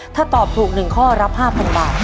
ถ้าตอบถูก๑ข้อรับ๕๐๐บาท